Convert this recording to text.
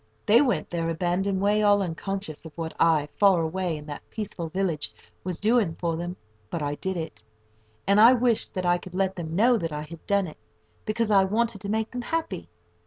They went their abandoned way all unconscious of what I, far away in that peaceful village, was doing for them; but I did it, and I wished that I could let them know that I had done it, because I wanted to make them happy.